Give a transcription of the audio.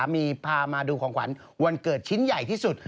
มีพามาดูของขวัญวันเกิดชิ้นใหญ่ที่สุด